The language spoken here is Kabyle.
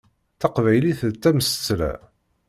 Taqbaylit d tamsetla.